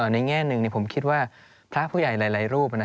แง่หนึ่งผมคิดว่าพระผู้ใหญ่หลายรูป